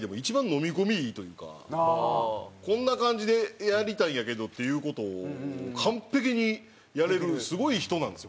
こんな感じでやりたいんやけどっていう事を完璧にやれるすごい人なんですよ